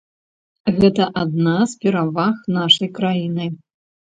Гэта адна з пераваг нашай краіны.